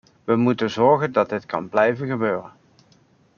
We moeten zorgen dat dit kan blijven gebeuren.